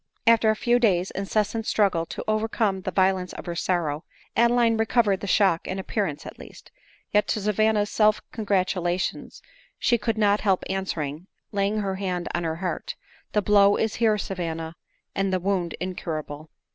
After a few days' incessant struggle to overcome the ^sa^^ —^^^ <«hwi^^pw«< ^ ADELINE MOWBRAY. 357 violence of her sorrow, Adeline recovered the shock in appearance at least ; yet to Savanna's self congratulations she could not help answering, (laying her hand on her heart,) " The blow is here, Savanna, and the wound incurable."